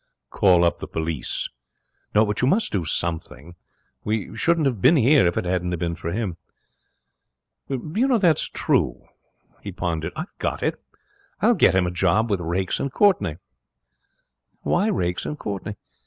'Call up the police.' 'No, but you must do something. We shouldn't have been here if it hadn't been for him.' 'That's true!' He pondered. 'I've got it; I'll get him a job with Raikes and Courtenay.' 'Why Raikes and Courtenay?'